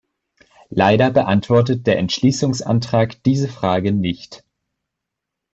Leider beantwortet der Entschließungsantrag diese Frage nicht.